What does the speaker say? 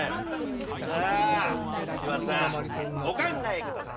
さあ柴田さんお考えください。